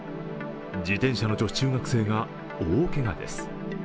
自転車の女子中学生が大けがです。